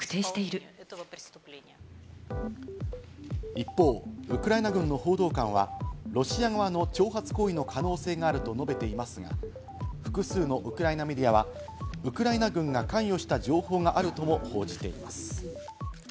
一方、ウクライナ軍の報道官は、ロシア側の挑発行為の可能性があると述べていますが、複数のウクライナメディアはウクライナ軍が関与した情報があるとも報じています。